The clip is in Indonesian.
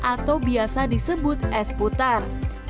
atau biasa disebut es putar